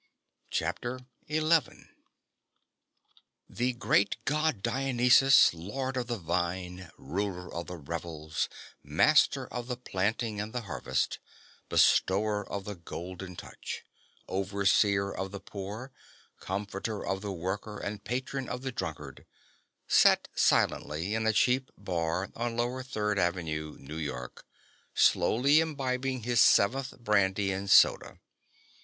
CHAPTER ELEVEN The Great God Dionysus, Lord of the Vine, Ruler of the Revels, Master of the Planting and the Harvest, Bestower of the Golden Touch, Overseer of the Poor, Comforter of the Worker and Patron of the Drunkard, sat silently in a cheap bar on Lower Third Avenue, New York, slowly imbibing his seventh brandy and soda.